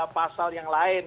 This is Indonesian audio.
pasal yang lain